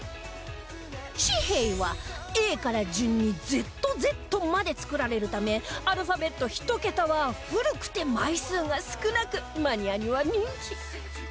紙幣は「Ａ」から順に「ＺＺ」まで作られるためアルファベット１桁は古くて枚数が少なくマニアには人気